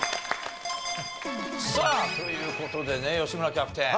さあという事でね吉村キャプテン